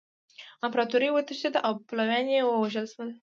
امپراطور وتښتید او پلویان یې ووژل شول.